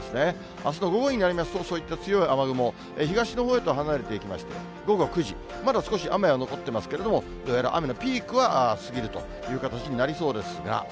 あすの午後になりますと、そういった強い雨雲、東のほうへと離れていきまして、午後９時、まだ少し雨は残ってますけれども、どうやら雨のピークは過ぎるという形になりそうですが。